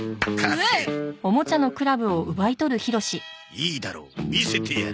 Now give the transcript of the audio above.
いいだろう見せてやる。